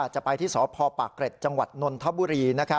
จะไปที่สพปากเกร็ดจังหวัดนนทบุรี